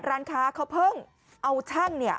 ร้านค้าเขาเพิ่งเอาช่างเนี่ย